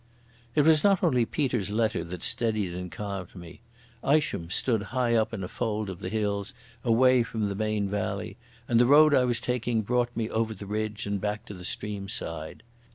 It was not only Peter's letter that steadied and calmed me. Isham stood high up in a fold of the hills away from the main valley, and the road I was taking brought me over the ridge and back to the stream side.